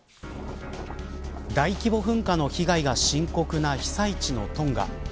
大規模噴火の被害が深刻な被災地のトンガ。